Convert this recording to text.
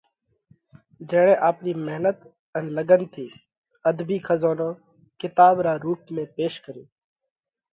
جيڻئہ آپرِي مينت ان لڳنَ ٿِي اڌبِي کزونو ڪِتاٻ را رُوپ ۾ پيش ڪريوه۔